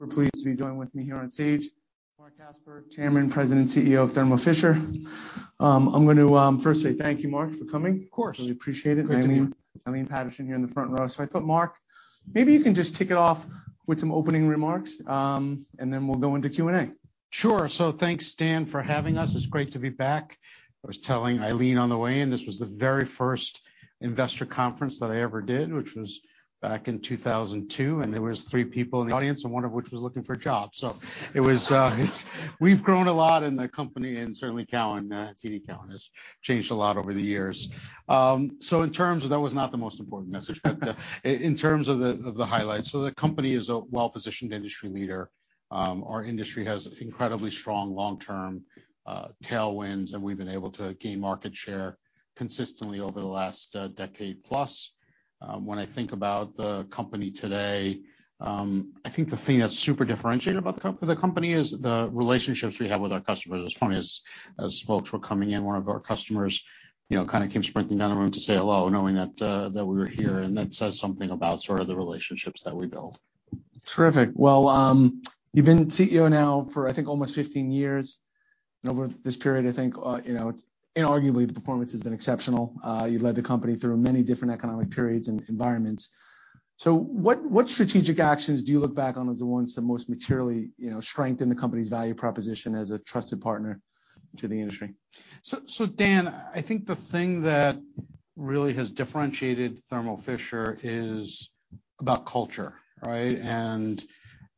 We're pleased to be joined with me here on stage, Marc Casper, Chairman, President, CEO of Thermo Fisher. I'm going to first say thank you, Marc, for coming. Of course. Really appreciate it. Great to be here. Eileen Patterson, here in the front row. I thought, Marc, maybe you can just kick it off with some opening remarks, and then we'll go into Q&A. Sure. Thanks, Dan, for having us. It's great to be back. I was telling Eileen on the way in, this was the very first investor conference that I ever did, which was back in 2002, and there was 3 people in the audience, and one of which was looking for a job. We've grown a lot in the company, and certainly Cowen, TD Cowen, has changed a lot over the years. That was not the most important message. In terms of the highlights, the company is a well-positioned industry leader. Our industry has incredibly strong long-term tailwinds, and we've been able to gain market share consistently over the last decade plus. When I think about the company today, I think the thing that's super differentiated about the company is the relationships we have with our customers. It's funny, as folks were coming in, one of our customers, you know, kind of came sprinting down the room to say hello, knowing that we were here. That says something about sort of the relationships that we build. Terrific. Well, you've been CEO now for, I think, almost 15 years. Over this period, I think, you know, inarguably, the performance has been exceptional. You've led the company through many different economic periods and environments. What, what strategic actions do you look back on as the ones that most materially, you know, strengthened the company's value proposition as a trusted partner to the industry? Dan, I think the thing that really has differentiated Thermo Fisher is about culture, right?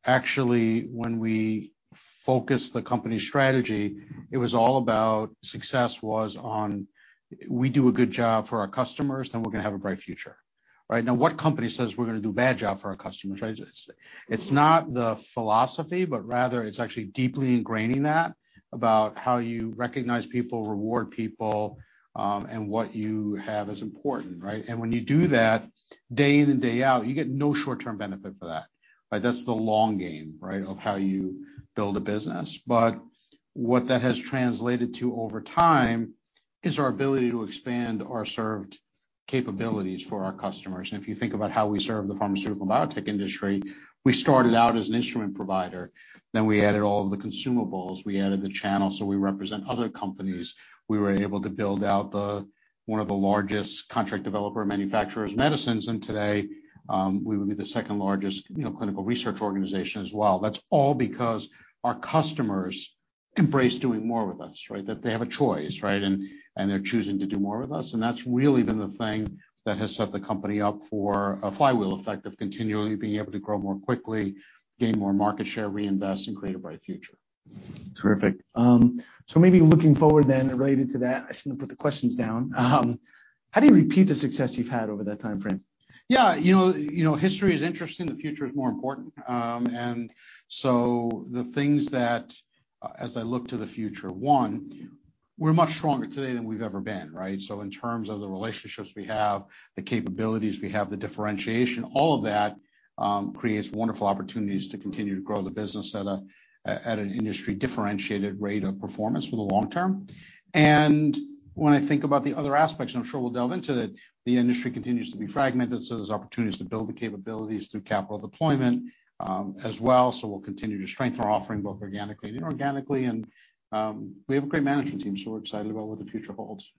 Actually, when we focused the company's strategy, it was all about success was on we do a good job for our customers, then we're gonna have a bright future. Right now, what company says we're gonna do a bad job for our customers, right? It's not the philosophy, but rather it's actually deeply ingraining that about how you recognize people, reward people, and what you have as important, right? When you do that day in and day out, you get no short-term benefit for that, right? That's the long game, right, of how you build a business. What that has translated to over time is our ability to expand our served capabilities for our customers. If you think about how we serve the pharmaceutical and biotech industry, we started out as an instrument provider. We added all of the consumables. We added the channel, so we represent other companies. We were able to build out the, 1 of the largest contract developer manufacturers medicines. Today, we would be the 2nd largest clinical research organization as well. That's all because our customers embrace doing more with us, right? That they have a choice, right? They're choosing to do more with us. That's really been the thing that has set the company up for a flywheel effect of continually being able to grow more quickly, gain more market share, reinvest, and create a bright future. Terrific. maybe looking forward then related to that, I shouldn't have put the questions down. how do you repeat the success you've had over that timeframe? Yeah, you know, history is interesting, the future is more important. The things that, as I look to the future, one, we're much stronger today than we've ever been, right? In terms of the relationships we have, the capabilities we have, the differentiation, all of that creates wonderful opportunities to continue to grow the business at an industry differentiated rate of performance for the long term. When I think about the other aspects, and I'm sure we'll delve into it, the industry continues to be fragmented, so there's opportunities to build the capabilities through capital deployment as well. We'll continue to strengthen our offering both organically and inorganically. We have a great management team, so we're excited about what the future holds.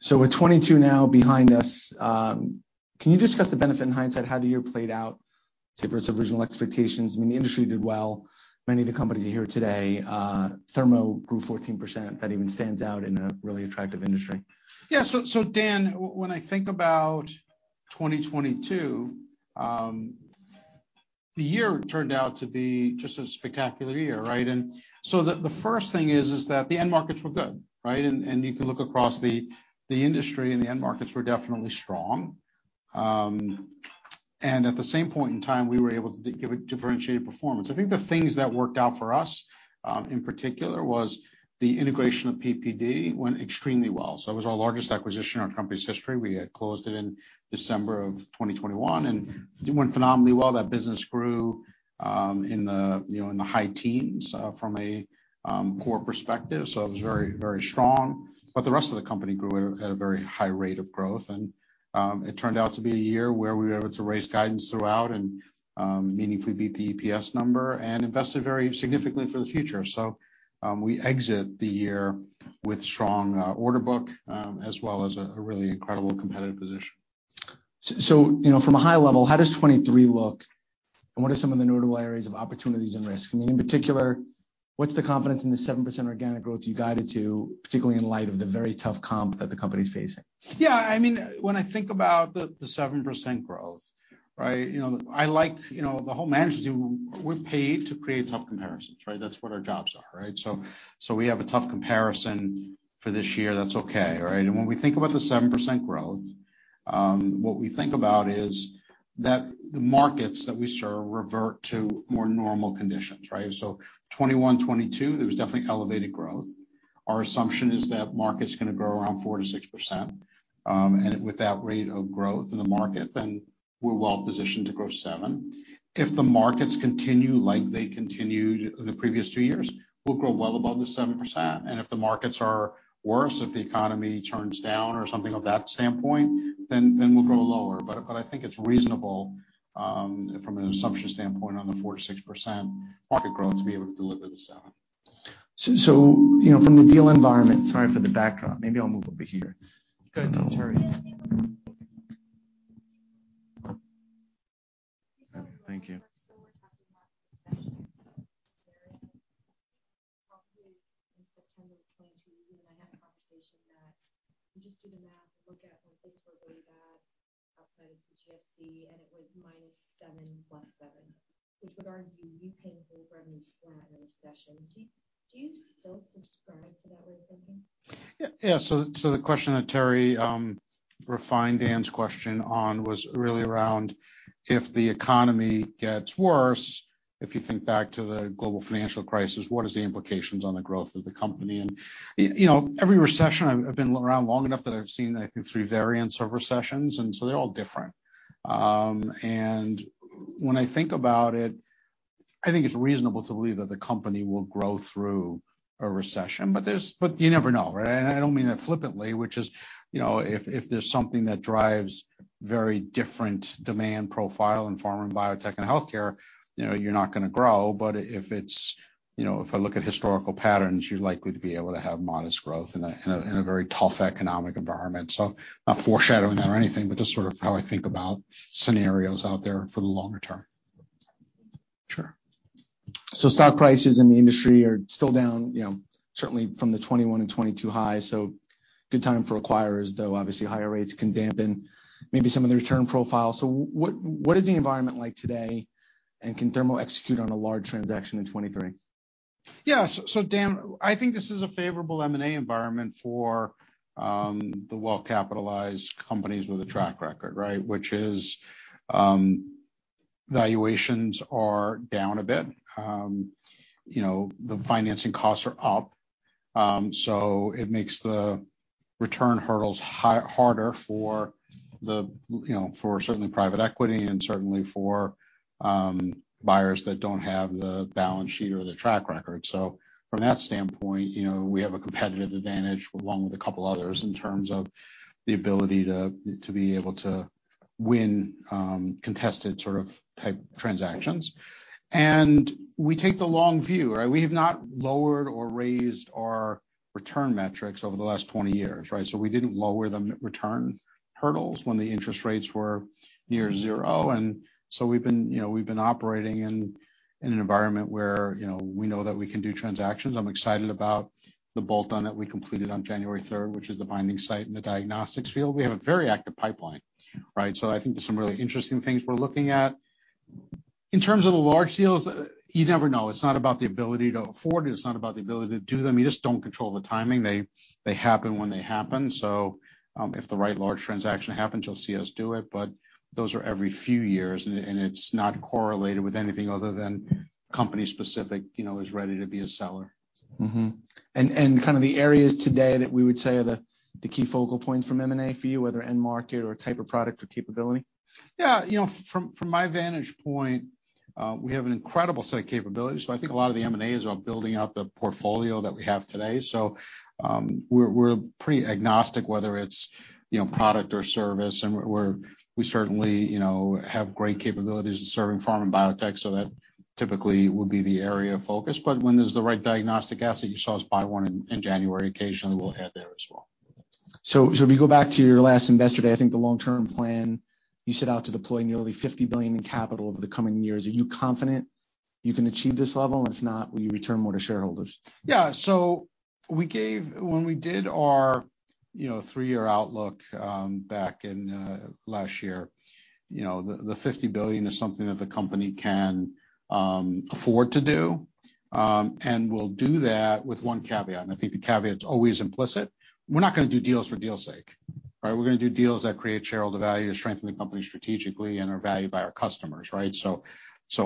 With 2022 now behind us, can you discuss the benefit in hindsight, how the year played out say versus original expectations? The industry did well. Many of the companies are here today. Thermo grew 14%. That even stands out in a really attractive industry. Yeah. Dan, when I think about 2022, the year turned out to be just a spectacular year, right? The first thing is that the end markets were good, right? You can look across the industry and the end markets were definitely strong. At the same point in time, we were able to give a differentiated performance. I think the things that worked out for us, in particular was the integration of PPD went extremely well. It was our largest acquisition in our company's history. We had closed it in December of 2021, and it went phenomenally well. That business grew, in the, you know, in the high teens, from a core perspective. It was very strong. The rest of the company grew at a very high rate of growth. It turned out to be a year where we were able to raise guidance throughout and, meaningfully beat the EPS number and invested very significantly for the future. We exit the year with strong order book, as well as a really incredible competitive position. You know, from a high level, how does 2023 look, and what are some of the notable areas of opportunities and risk? I mean, in particular, what's the confidence in the 7% organic growth you guided to, particularly in light of the very tough comp that the company's facing? Yeah. I mean, when I think about the 7% growth, right? You know, I like, you know, the whole management team, we're paid to create tough comparisons, right? That's what our jobs are, right? We have a tough comparison for this year. That's okay, right? When we think about the 7% growth, what we think about is that the markets that we serve revert to more normal conditions, right? 2021, 2022, there was definitely elevated growth. Our assumption is that market's gonna grow around 4%-6%. With that rate of growth in the market, we're well positioned to grow 7. If the markets continue like they continued in the previous 2 years, we'll grow well above the 7%. If the markets are worse, if the economy turns down or something of that standpoint, then we'll grow lower. I think it's reasonable, from an assumption standpoint on the 4%-6% market growth to be able to deliver the 7%. You know, from the deal environment. Sorry for the backdrop. Maybe I'll move over here. Go ahead, Terry. Thank you. We're talking about the Exactive Series. Probably in September of 2022, you and I had a conversation that you just do the math and look at when things were really bad outside of GFC, and it was -7%, +7%, which would argue you can grow revenue through another recession. Do you still subscribe to that way of thinking? Yeah. Yeah. The question that Terry refined Dan's question on was really around if the economy gets worse, if you think back to the global financial crisis, what is the implications on the growth of the company? You know, every recession, I've been around long enough that I've seen, I think, three variants of recessions, they're all different. When I think about it, I think it's reasonable to believe that the company will grow through a recession. You never know, right? I don't mean that flippantly, which is, you know, if there's something that drives very different demand profile in pharma and biotech and healthcare, you know, you're not gonna grow. If it's, you know, if I look at historical patterns, you're likely to be able to have modest growth in a, in a, in a very tough economic environment. Not foreshadowing that or anything, but just sort of how I think about scenarios out there for the longer term. Sure. Stock prices in the industry are still down, you know, certainly from the 2021 and 2022 highs. Good time for acquirers, though obviously higher rates can dampen maybe some of the return profile. What is the environment like today, and can Thermo execute on a large transaction in 2023? Yeah. Dan, I think this is a favorable M&A environment for the well-capitalized companies with a track record, right? Which is, valuations are down a bit. You know, the financing costs are up, it makes the return hurdles harder for the, you know, for certainly private equity and certainly for buyers that don't have the balance sheet or the track record. From that standpoint, you know, we have a competitive advantage, along with a couple others, in terms of the ability to be able to win contested sort of type transactions. We take the long view, right? We have not lowered or raised our return metrics over the last 20 years, right? We didn't lower the m-return hurdles when the interest rates were near zero, and so we've been, you know, we've been operating in an environment where, you know, we know that we can do transactions. I'm excited about the bolt-on that we completed on January third, which is The Binding Site in the diagnostics field. We have a very active pipeline, right? I think there's some really interesting things we're looking at. In terms of the large deals, you never know. It's not about the ability to afford it's not about the ability to do them. You just don't control the timing. They happen when they happen. If the right large transaction happens, you'll see us do it, but those are every few years and it's not correlated with anything other than company specific, you know, is ready to be a seller. Kind of the areas today that we would say are the key focal points from M&A for you, whether end market or type of product or capability? Yeah. You know, from my vantage point, we have an incredible set of capabilities. I think a lot of the M&A is about building out the portfolio that we have today. We're pretty agnostic whether it's, you know, product or service, and we certainly, you know, have great capabilities in serving pharma and biotech, so that typically would be the area of focus. When there's the right diagnostic asset, you saw us buy one in January, occasionally we'll add there as well. If you go back to your last Investor Day, I think the long-term plan, you set out to deploy nearly $50 billion in capital over the coming years. Are you confident you can achieve this level? If not, will you return more to shareholders? Yeah. When we did our, you know, 3-year outlook, back in last year, you know, the $50 billion is something that the company can afford to do. We'll do that with one caveat, and I think the caveat's always implicit. We're not gonna do deals for deals' sake, right? We're gonna do deals that create shareholder value to strengthen the company strategically and are valued by our customers, right?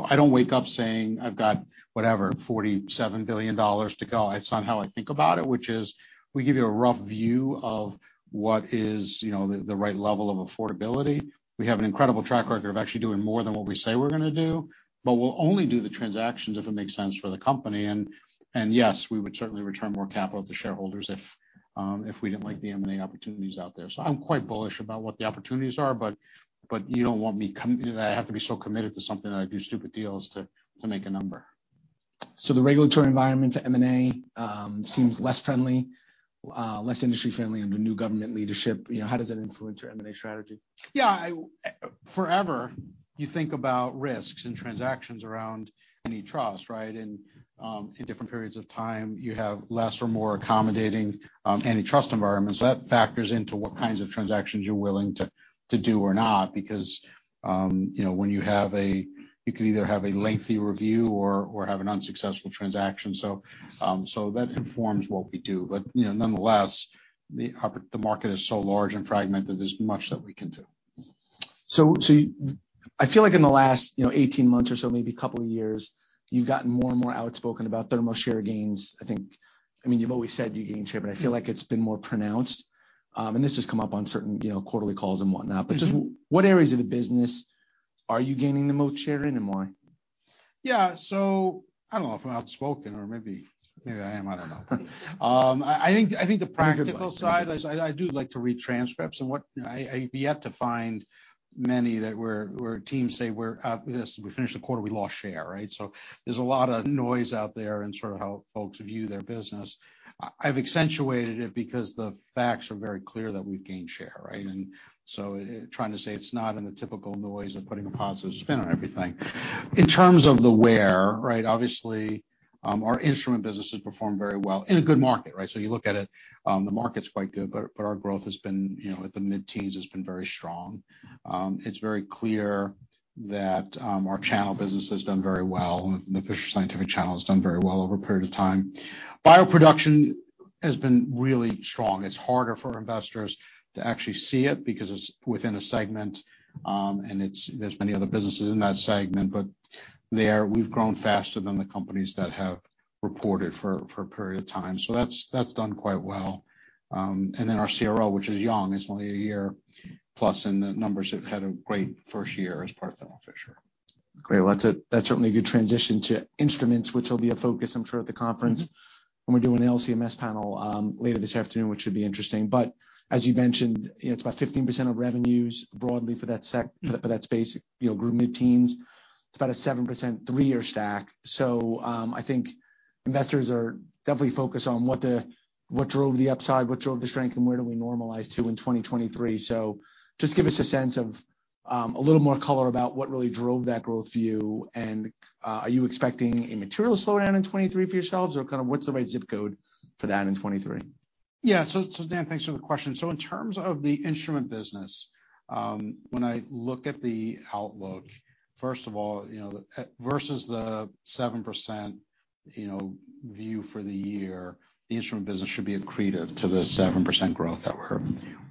I don't wake up saying, "I've got, whatever, $47 billion to go." It's not how I think about it, which is we give you a rough view of what is, you know, the right level of affordability. We have an incredible track record of actually doing more than what we say we're gonna do, but we'll only do the transactions if it makes sense for the company. Yes, we would certainly return more capital to shareholders if we didn't like the M&A opportunities out there. I'm quite bullish about what the opportunities are, but you don't want me I have to be so committed to something that I do stupid deals to make a number. The regulatory environment for M&A seems less friendly, less industry friendly under new government leadership. You know, how does that influence your M&A strategy? I, forever you think about risks and transactions around antitrust, right? In different periods of time, you have less or more accommodating antitrust environments. That factors into what kinds of transactions you're willing to do or not because, you know, when you can either have a lengthy review or have an unsuccessful transaction. That informs what we do. You know, nonetheless, the market is so large and fragmented, there's much that we can do. I feel like in the last, you know, 18 months or so, maybe couple of years, you've gotten more and more outspoken about Thermo share gains. I mean, you've always said you're gaining share, but I feel like it's been more pronounced. This has come up on certain, you know, quarterly calls and whatnot. Mm-hmm. Just what areas of the business are you gaining the most share in, and why? Yeah. I don't know if I'm outspoken or maybe I am. I don't know. I think the practical side is I do like to read transcripts and what I've yet to find many that where teams say we finished the quarter, we lost share, right? There's a lot of noise out there in sort of how folks view their business. I've accentuated it because the facts are very clear that we've gained share, right? Trying to say it's not in the typical noise of putting a positive spin on everything. In terms of the where, right, obviously, our instrument business has performed very well in a good market, right? You look at it, the market's quite good, but our growth has been, you know, at the mid-teens, it's been very strong. It's very clear that our channel business has done very well, the Fisher Scientific channel has done very well over a period of time. Bioproduction has been really strong. It's harder for investors to actually see it because it's within a segment, there's many other businesses in that segment, there we've grown faster than the companies that have reported for a period of time. That's done quite well. Then our CRO, which is young, it's only 1 year plus, the numbers have had a great first year as part of Thermo Fisher. Great. Well, that's certainly a good transition to instruments, which will be a focus, I'm sure, at the conference. Mm-hmm. We do an LCMS panel later this afternoon, which should be interesting. As you mentioned, you know, it's about 15% of revenues broadly for that space, you know, grew mid-teens. It's about a 7% three-year stack. I think investors are definitely focused on what drove the upside, what drove the strength, and where do we normalize to in 2023. Just give us a sense of a little more color about what really drove that growth for you, and are you expecting a material slowdown in 2023 for yourselves or kind of what's the right zip code for that in 2023? Yeah. Dan, thanks for the question. In terms of the instrument business, when I look at the outlook, first of all, you know, versus the 7%, you know, view for the year, the instrument business should be accretive to the 7% growth that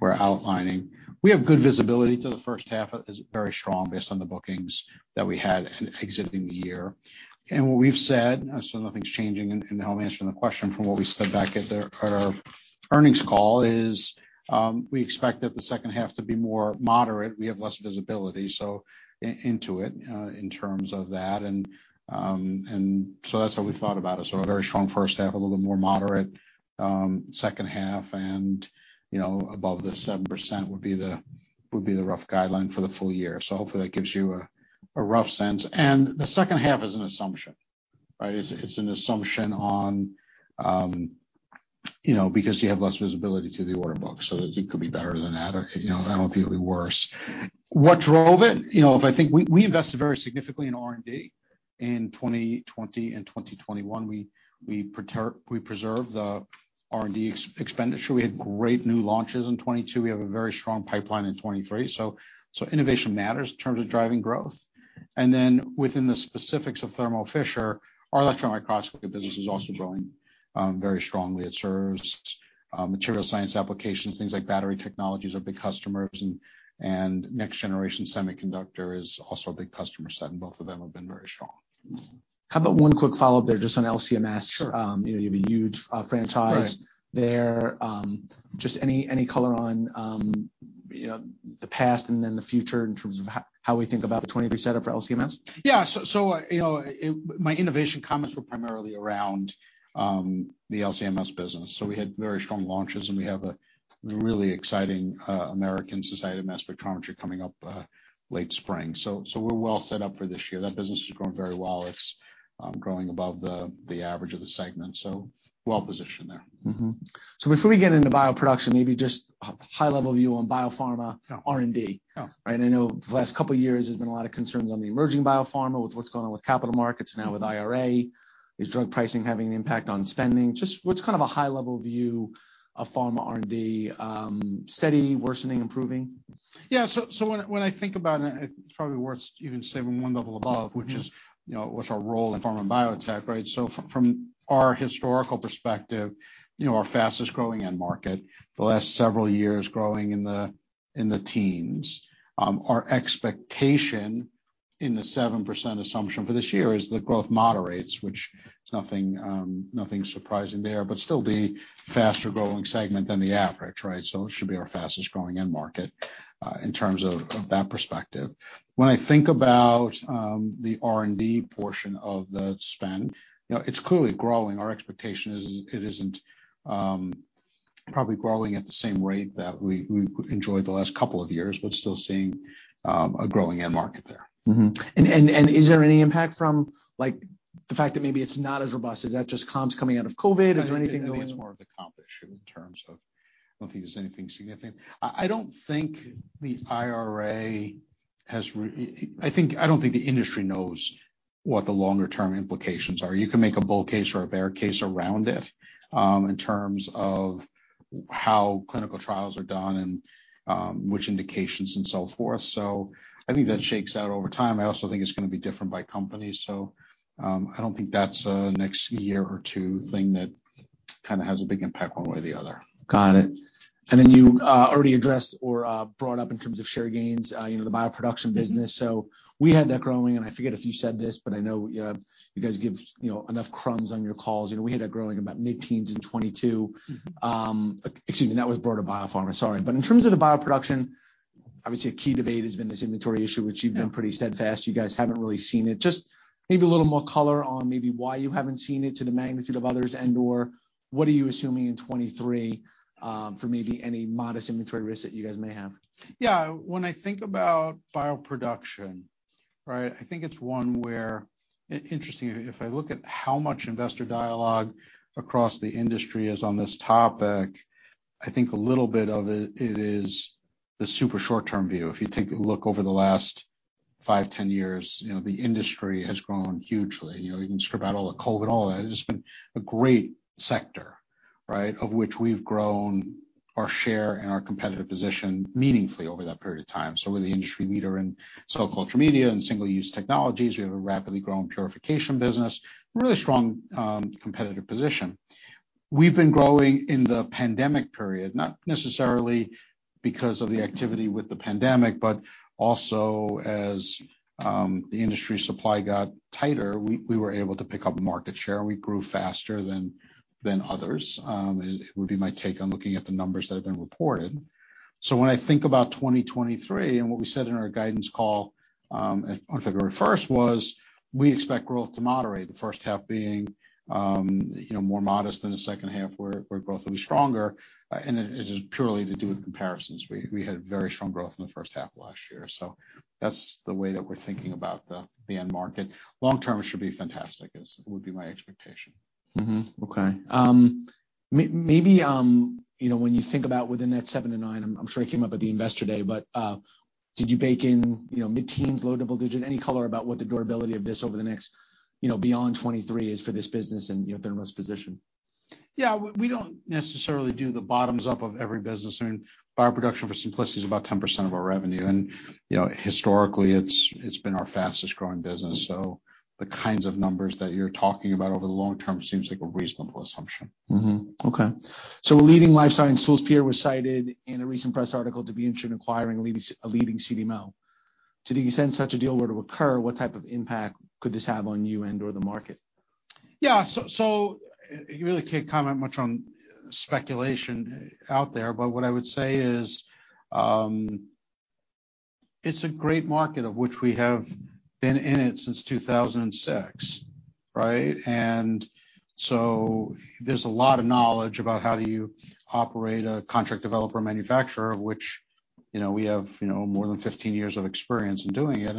we're outlining. We have good visibility to the first half. It is very strong based on the bookings that we had in exiting the year. What we've said, nothing's changing, and I'll answer the question from what we said back at the earnings call, is, we expect that the second half to be more moderate. We have less visibility into it in terms of that. That's how we thought about it. A very strong first half, a little bit more moderate second half and, you know, above the 7% would be the rough guideline for the full year. Hopefully, that gives you a rough sense. The second half is an assumption, right? It's an assumption on, you know, because you have less visibility to the order book, so it could be better than that or, you know, I don't think it'll be worse. What drove it? You know, if I think we invested very significantly in R&D in 2020 and 2021. We preserved the R&D expenditure. We had great new launches in 2022. We have a very strong pipeline in 2023. Innovation matters in terms of driving growth. Within the specifics of Thermo Fisher, our electron microscopy business is also growing very strongly. It serves material science applications. Things like battery technologies are big customers and next generation semiconductor is also a big customer set, and both of them have been very strong. How about one quick follow-up there just on LCMS? Sure. You know, you have a huge. Right. there. Just any color on, you know, the past and then the future in terms of how we think about the 2023 setup for LCMS? Yeah. You know, my innovation comments were primarily around the LCMS business. We had very strong launches, and we have a really exciting American Society for Mass Spectrometry coming up late spring. We're well set up for this year. That business is growing very well. It's growing above the average of the segment, so well positioned there. Before we get into bioproduction, maybe just a high-level view on biopharma-. Yeah. -R&D. Yeah. Right? I know the last couple of years, there's been a lot of concerns on the emerging biopharma with what's going on with capital markets now with IRA. Is drug pricing having an impact on spending? Just what's kind of a high level view of pharma R&D, steady, worsening, improving? Yeah. When I think about it's probably worth even saying one level above. Mm-hmm. which is, you know, what's our role in pharma and biotech, right? From our historical perspective, you know, our fastest-growing end market the last several years growing in the teens. Our expectation in the 7% assumption for this year is that growth moderates, which is nothing surprising there, but still be faster-growing segment than the average, right? It should be our fastest-growing end market in terms of that perspective. When I think about the R&D portion of the spend, you know, it's clearly growing. Our expectation is it isn't probably growing at the same rate that we enjoyed the last couple of years, but still seeing a growing end market there. Is there any impact from, like, the fact that maybe it's not as robust? Is that just comps coming out of COVID? Is there anything? I think it's more of the comp issue in terms of I don't think there's anything significant. I don't think the IRA has. I don't think the industry knows what the longer-term implications are. You can make a bull case or a bear case around it, in terms of how clinical trials are done and, which indications and so forth. I think that shakes out over time. I also think it's gonna be different by company. I don't think that's a next year or two thing that kinda has a big impact one way or the other. Got it. Then you already addressed or brought up in terms of share gains, you know, the bioproduction business. We had that growing, and I forget if you said this, but I know, you guys give, you know, enough crumbs on your calls. You know, we had that growing about mid-teens in 2022. Mm-hmm. Excuse me, that was broader biopharma. Sorry. In terms of the bioproduction, obviously, a key debate has been this inventory issue, which you've been pretty steadfast. You guys haven't really seen it. Just maybe a little more color on maybe why you haven't seen it to the magnitude of others and/or what are you assuming in 2023 for maybe any modest inventory risks that you guys may have. When I think about bioproduction, right? I think it's one where interestingly, if I look at how much investor dialogue across the industry is on this topic, I think a little bit of it is the super short-term view. If you take a look over the last five, 10 years, you know, the industry has grown hugely. You know, you can strip out all the COVID and all that. It's been a great sector, right? Of which we've grown our share and our competitive position meaningfully over that period of time. We're the industry leader in cell culture media and single-use technologies. We have a rapidly growing purification business. Really strong competitive position. We've been growing in the pandemic period, not necessarily because of the activity with the pandemic, but also as the industry supply got tighter, we were able to pick up market share. We grew faster than others. It would be my take on looking at the numbers that have been reported. When I think about 2023 and what we said in our guidance call on February 1 was we expect growth to moderate, the first half being, you know, more modest than the second half where growth will be stronger. It is purely to do with comparisons. We had very strong growth in the first half of last year. That's the way that we're thinking about the end market. Long term, it should be fantastic, would be my expectation. Okay. you know, when you think about within that 7-9, I'm sure it came up at the investor day, but did you bake in, you know, mid-teens, low double digit, any color about what the durability of this over the next, you know, beyond 2023 is for this business and, you know, Thermo's position? Yeah. We, we don't necessarily do the bottoms up of every business. I mean, bioproduction for simplicity is about 10% of our revenue. You know, historically, it's been our fastest growing business. The kinds of numbers that you're talking about over the long term seems like a reasonable assumption. Okay. A leading life science tools peer was cited in a recent press article to be interested in acquiring a leading CDMO. To the extent such a deal were to occur, what type of impact could this have on you and/or the market? Yeah. So you really can't comment much on speculation out there. But what I would say is, it's a great market, of which we have been in it since 2006, right? There's a lot of knowledge about how do you operate a contract developer manufacturer, which, you know, we have, you know, more than 15 years of experience in doing it.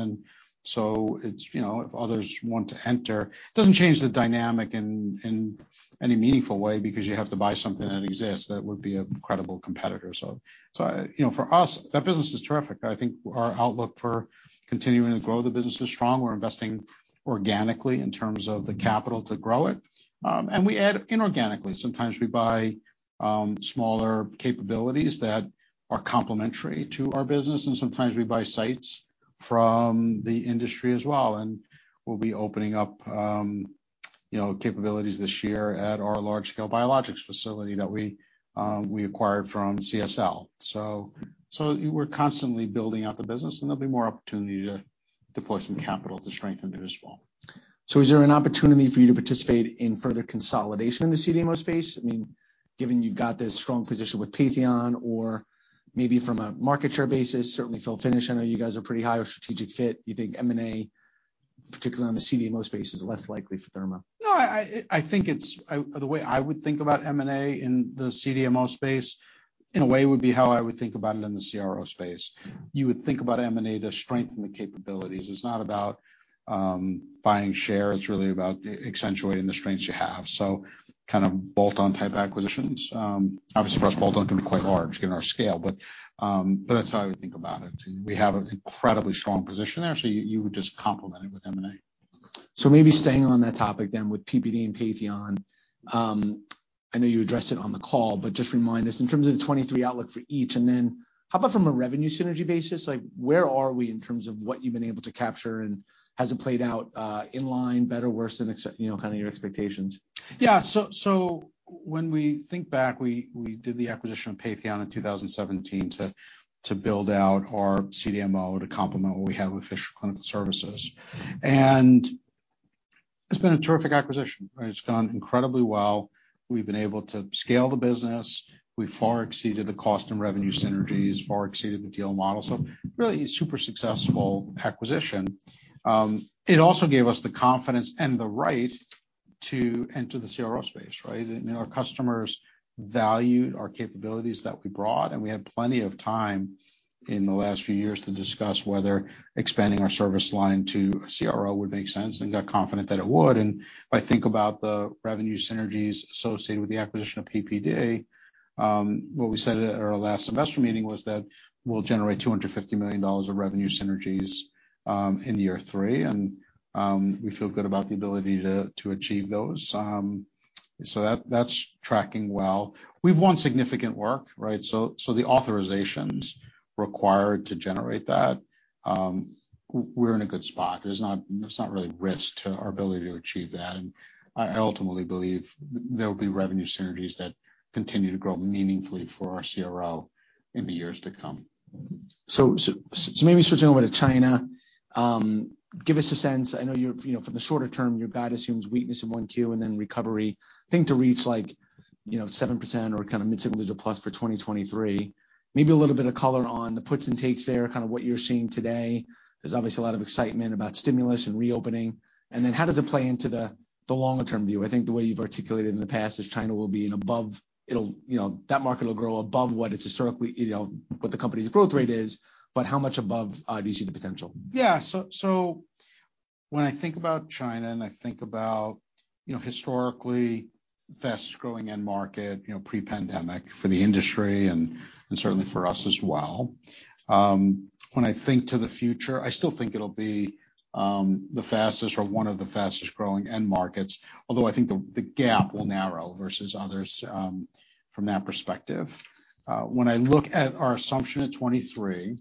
It's, you know, if others want to enter, it doesn't change the dynamic in any meaningful way because you have to buy something that exists that would be a credible competitor. So, you know, for us, that business is terrific. I think our outlook for continuing to grow the business is strong. We're investing organically in terms of the capital to grow it. And we add inorganically. Sometimes we buy smaller capabilities that are complementary to our business, and sometimes we buy sites from the industry as well. We'll be opening up, you know, capabilities this year at our large-scale biologics facility that we acquired from CSL. We're constantly building out the business, and there'll be more opportunity to deploy some capital to strengthen it as well. Is there an opportunity for you to participate in further consolidation in the CDMO space? I mean, given you've got this strong position with Patheon or maybe from a market share basis, certainly Phil Fisher, I know you guys are pretty high or strategic fit. You think M&A, particularly on the CDMO space, is less likely for Thermo? No. I think the way I would think about M&A in the CDMO space in a way would be how I would think about it in the CRO space. You would think about M&A to strengthen the capabilities. It's not about buying share. It's really about accentuating the strengths you have. Kind of bolt-on type acquisitions. Obviously for us, bolt-on can be quite large given our scale, but that's how I would think about it. We have an incredibly strong position there. You would just complement it with M&A. Maybe staying on that topic then with PPD and Patheon, I know you addressed it on the call, but just remind us in terms of the 2023 outlook for each, and then how about from a revenue synergy basis? Like, where are we in terms of what you've been able to capture, and has it played out, in line better, worse than you know, kind of your expectations? When we think back, we did the acquisition of Patheon in 2017 to build out our CDMO to complement what we have with Fisher Clinical Services. It's been a terrific acquisition, right? It's gone incredibly well. We've been able to scale the business. We far exceeded the cost and revenue synergies, far exceeded the deal model. Really super successful acquisition. It also gave us the confidence and the right to enter the CRO space, right? You know, our customers valued our capabilities that we brought, and we had plenty of time in the last few years to discuss whether expanding our service line to CRO would make sense and got confident that it would. If I think about the revenue synergies associated with the acquisition of PPD, what we said at our last investor meeting was that we'll generate $250 million of revenue synergies in year 3. We feel good about the ability to achieve those. So that's tracking well. We've won significant work, right? So the authorizations required to generate that, we're in a good spot. There's not really risk to our ability to achieve that. I ultimately believe there will be revenue synergies that continue to grow meaningfully for our CRO in the years to come. So maybe switching over to China, give us a sense, I know, you know, for the shorter term, your guide assumes weakness in 1Q and then recovery, I think to reach like, you know, 7% or kind of mid-single digit plus for 2023. Maybe a little bit of color on the puts and takes there, kind of what you're seeing today. There's obviously a lot of excitement about stimulus and reopening. Then how does it play into the longer term view? I think the way you've articulated in the past is China will be an above, it'll, you know, that market will grow above what it's historically, you know, what the company's growth rate is, but how much above do you see the potential? Yeah. When I think about China, I think about, you know, historically fast-growing end market, you know, pre-pandemic for the industry and certainly for us as well. When I think to the future, I still think it'll be the fastest or one of the fastest growing end markets, although I think the gap will narrow versus others from that perspective. When I look at our assumption at 2023,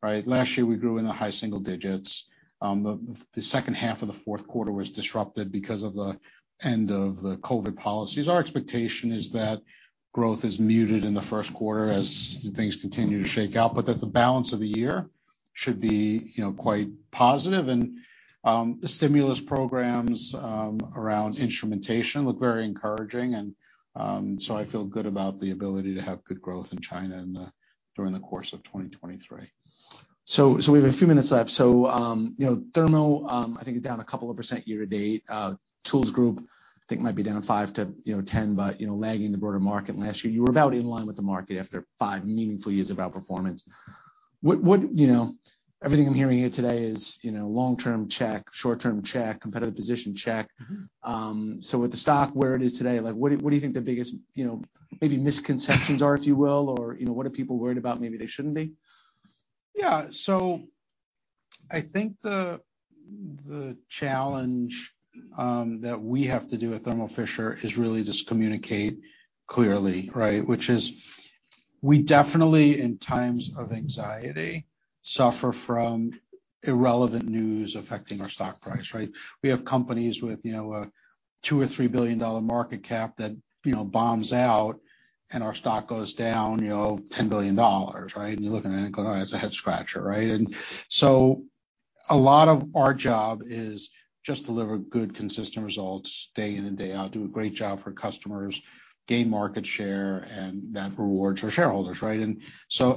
right? Last year, we grew in the high single digits. The second half of the fourth quarter was disrupted because of the end of the COVID policies. Our expectation is that growth is muted in the first quarter as things continue to shake out, but that the balance of the year should be, you know, quite positive. The stimulus programs around instrumentation look very encouraging and so I feel good about the ability to have good growth in China in the, during the course of 2023. We have a few minutes left. you know, Thermo, I think is down a couple of % year to date. tools group, I think, might be down 5 to, you know, 10, but, you know, lagging the broader market. Last year, you were about in line with the market after 5 meaningful years of outperformance. What, you know, everything I'm hearing here today is, you know, long term, check, short term, check, competitive position, check. With the stock where it is today, like, what do you think the biggest, you know, maybe misconceptions are, if you will? Or, you know, what are people worried about, maybe they shouldn't be? Yeah. I think the challenge that we have to do at Thermo Fisher is really just communicate clearly, right? Which is we definitely, in times of anxiety, suffer from irrelevant news affecting our stock price, right? We have companies with, you know, a $2 billion or $3 billion market cap that, you know, bombs out and our stock goes down, you know, $10 billion, right? You're looking at it and going, "Oh, that's a head scratcher," right? A lot of our job is just deliver good, consistent results day in and day out, do a great job for customers, gain market share, and that rewards our shareholders, right?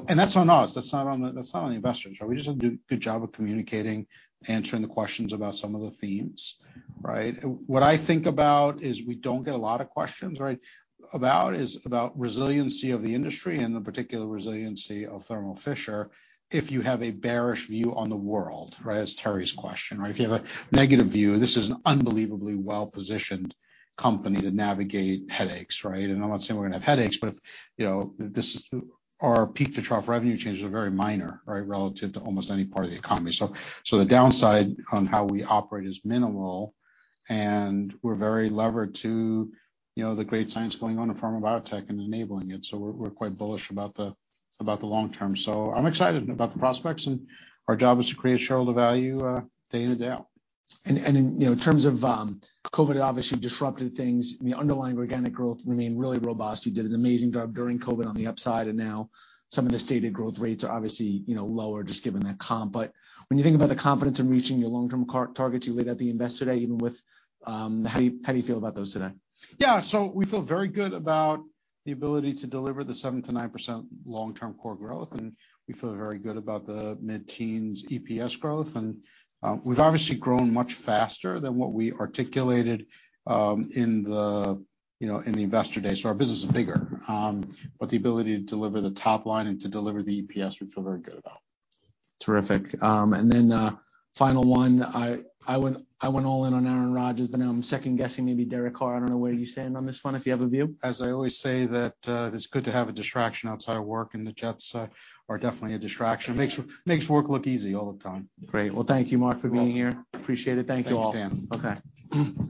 That's on us. That's not on the, that's not on the investors. We just have to do a good job of communicating, answering the questions about some of the themes, right? What I think about is we don't get a lot of questions, right, about resiliency of the industry and the particular resiliency of Thermo Fisher if you have a bearish view on the world, right? That's Terry's question, right? If you have a negative view, this is an unbelievably well-positioned company to navigate headaches, right? I'm not saying we're gonna have headaches, but if, you know, our peak to trough revenue changes are very minor, right, relative to almost any part of the economy. So the downside on how we operate is minimal, and we're very levered to, you know, the great science going on in pharma biotech and enabling it. We're quite bullish about the long term. I'm excited about the prospects, and our job is to create shareholder value day in and day out. In, you know, in terms of COVID, obviously disrupted things. I mean, underlying organic growth remained really robust. You did an amazing job during COVID on the upside, and now some of the stated growth rates are obviously, you know, lower just given that comp. When you think about the confidence in reaching your long-term targets you laid out at the investor day, even with, how do you feel about those today? Yeah. We feel very good about the ability to deliver the 7%-9% long-term core growth, and we feel very good about the mid-teens EPS growth. We've obviously grown much faster than what we articulated, in the, you know, in the investor day, so our business is bigger. The ability to deliver the top line and to deliver the EPS, we feel very good about. Terrific. Final one. I went all in on Aaron Rodgers, but now I'm second guessing maybe Derek Carr. I don't know where you stand on this one, if you have a view. As I always say that, it's good to have a distraction outside of work. The Jets are definitely a distraction. Makes work look easy all the time. Great. Well, thank you, Marc, for being here. Appreciate it. Thank you all. Thanks, Dan. Okay.